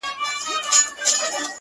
• سيدې يې نورو دې څيښلي او اوبه پاتې دي،